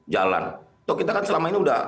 jalan kita kan selama ini